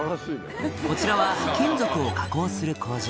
こちらは金属を加工する工場